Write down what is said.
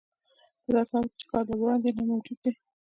په داسې حال کې چې کار له وړاندې نه دی موجود